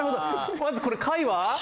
まずこれカイは？